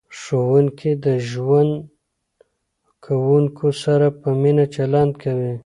ښوونکي د زده کوونکو سره په مینه چلند کوي.